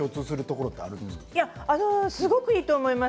すごくいいと思います。